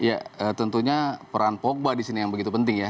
ya tentunya peran pogba disini yang begitu penting ya